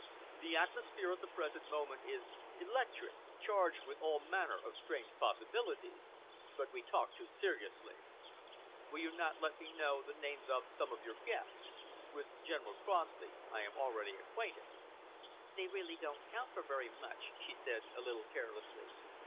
"The atmosphere at the present moment is electric, charged with all manner of strange possibilities. But we talk too seriously. Will you not let me know the names of some of your guests? With General Crossley I am already acquainted." "They really don't count for very much," she said, a little carelessly.